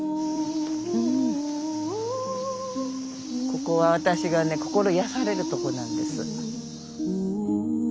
ここは私がね心癒やされるとこなんです。